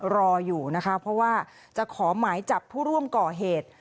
รออยู่นะคะเพราะว่าจะขอหมายจับผู้ร่วมก่อเหตุ